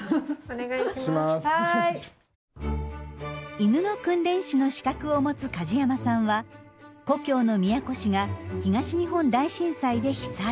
犬の訓練士の資格を持つ梶山さんは故郷の宮古市が東日本大震災で被災。